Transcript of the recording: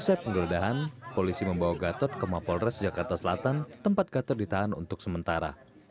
setelah penggeledahan polisi membawa gatot ke mapolres jakarta selatan tempat gatot ditahan untuk sementara